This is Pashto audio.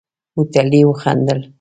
هوټلي وخندل.